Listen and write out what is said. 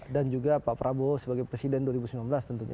juga pak prabowo sebagai presiden dua ribu sembilan belas tentunya